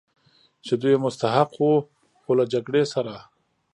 چې دوی یې مستحق و، خو له جګړې سره.